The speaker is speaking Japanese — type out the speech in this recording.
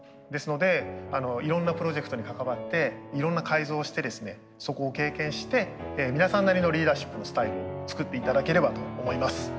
ですのでいろんなプロジェクトに関わっていろんな改造をしてですねそこを経験して皆さんなりのリーダーシップのスタイルを作って頂ければと思います。